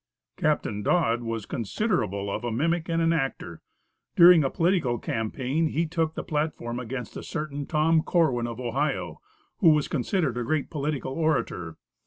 Captain Dodd was considerable of a mimic and an actor. During a political campaign, he took the platform against a certain Tom Corwin of Ohio, who was considered a great political orator.